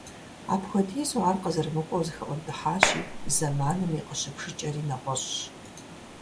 Апхуэдизу ар къызэрымыкIуэу зэхэIуэнтIыхьащи, зэманым и къыщыбжыкIэри нэгъуэщIщ.